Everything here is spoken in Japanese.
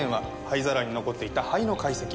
灰皿に残っていた灰の解析。